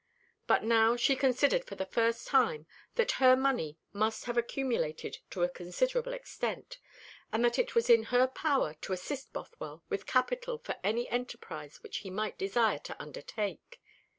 But now she considered for the first time that her money must have accumulated to a considerable extent, and that it was in her power to assist Bothwell with capital for any enterprise which he might desire to undertake.